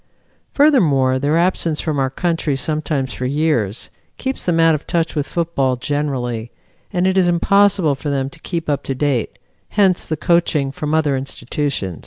Furthermore, their absence from our country sometimes for years, keeps them out of touch with football generally, and it is impossible for them to keep up to date hence the coaching from other institutions.